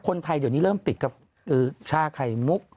คนไทยเดี๋ยวนี้เริ่มติดกับชาไข่มุก